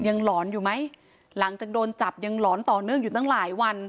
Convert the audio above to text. หลอนอยู่ไหมหลังจากโดนจับยังหลอนต่อเนื่องอยู่ตั้งหลายวัน